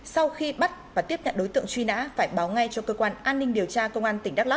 sau khi bắt và tiếp nhận đối tượng truy nã phải báo ngay cho cơ quan an ninh điều tra công an tỉnh đắk lắc